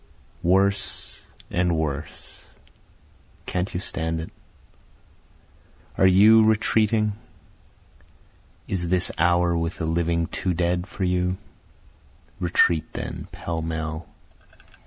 Worse and worse can't you stand it? are you retreating? Is this hour with the living too dead for you? Retreat then pell mell!